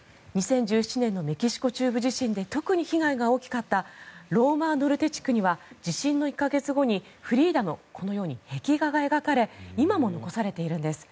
２０１７年のメキシコ中部地震で特に被害が大きかったローマ・ノルテ地区には地震の１か月後にフリーダのこのように壁画が描かれ今も残されているんです。